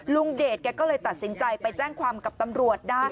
เดชแกก็เลยตัดสินใจไปแจ้งความกับตำรวจได้